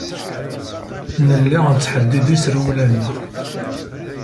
Nella nettḥeddid iserwalen-nneɣ.